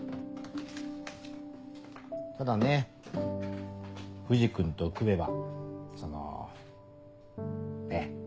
ただね藤君と組めばそのねっ。